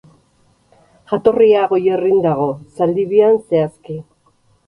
Jatorria Goierrin dago, Zaldibian zehazki.